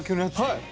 はい！